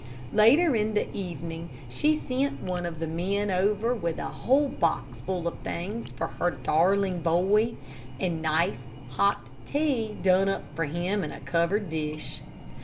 Later in the evening, she sent one of the men over with a whole box full of things for her darling boy, and a nice, hot tea, done up for him in a covered dish.